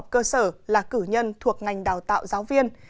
công học cơ sở là cử nhân thuộc ngành đào tạo giáo viên